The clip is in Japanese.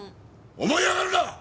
思い上がるな！